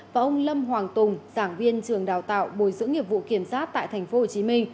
và ông lâm hoàng tùng giảng viên trường đào tạo bồi dưỡng nghiệp vụ kiểm soát tại tp hcm